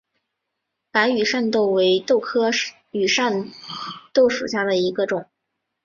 白羽扇豆为豆科羽扇豆属下的一个种。